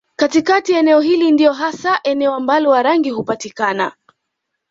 Katikati ya eneo hili ndiyo hasa eneo ambapo Warangi hupatikana